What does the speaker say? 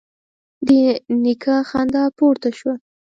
د نيکه خندا پورته شوه: